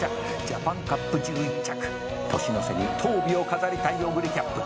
ジャパンカップ１１着」「年の瀬に掉尾を飾りたいオグリキャップ」